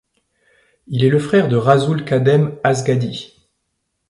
Il est le frère de Rasul Khadem Azgadhi.